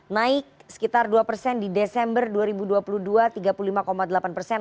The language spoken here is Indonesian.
naik sekitar dua persen di desember dua ribu dua puluh dua tiga puluh lima delapan persen